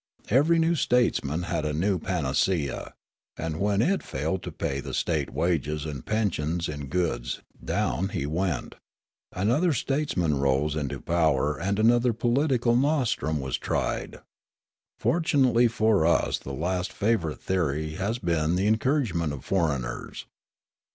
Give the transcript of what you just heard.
Every new statesman had a new panacea, and when it failed to pay the state wages and pensions in goods, down he went. Another statesman rose into power and another political nostrum was tried. Fortunately for us the last favourite theory had been the encouragement of foreigners.